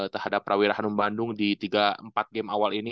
terhadap prawira hanum bandung di tiga empat game awal ini